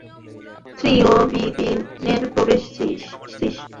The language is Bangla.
শ্রীশ ও বিপিনের প্রবেশ শ্রীশ।